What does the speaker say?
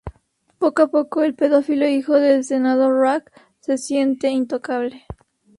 Poco a poco, el pedófilo hijo del senador Roark, se siente intocable.